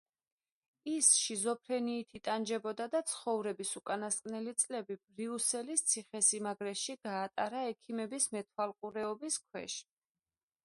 ის შიზოფრენიით იტანჯებოდა და ცხოვრების უკანასკნელი წლები ბრიუსელის ციხესიმაგრეში გაატარა ექიმების მეთვალყურეობის ქვეშ.